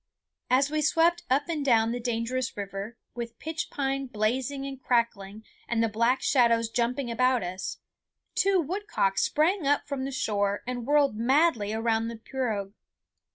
As we swept up and down the dangerous river, with pitch pine blazing and cracking and the black shadows jumping about us, two woodcock sprang up from the shore and whirled madly around the pirogue.